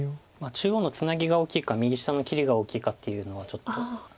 中央のツナギが大きいか右下の切りが大きいかっていうのはちょっとあるんですけど。